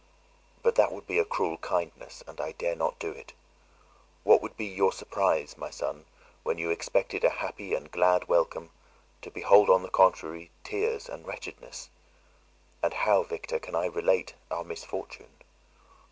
But that would be a cruel kindness, and I dare not do it. What would be your surprise, my son, when you expected a happy and glad welcome, to behold, on the contrary, tears and wretchedness? And how, Victor, can I relate our misfortune?